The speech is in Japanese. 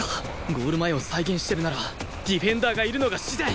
ゴール前を再現してるならディフェンダーがいるのが自然。